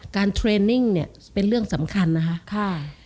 เทรนนิ่งเนี่ยเป็นเรื่องสำคัญนะคะ